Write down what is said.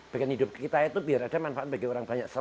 bagian hidup kita itu biar ada manfaat bagi orang banyak